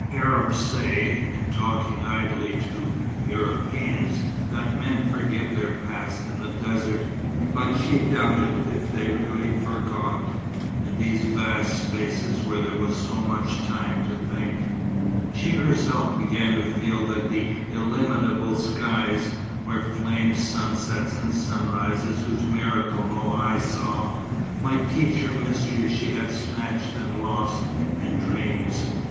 Arabs say, in talking idly to Europeans, that men forget their past in the desert, but she doubted if they really forgot, in these vast spaces where there was so much time to think. She herself began to feel that the illimitable skies, where flamed sunsets and sunrises whose miracles no eye saw, might teach her mysteries she had snatched at and lost, in dreams.